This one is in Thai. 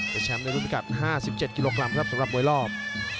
เป็นแชมป์ในรุ่นพิกัด๕๗กิโลกรัมครับสำหรับมวยรอบ